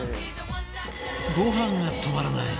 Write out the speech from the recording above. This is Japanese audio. ご飯が止まらない！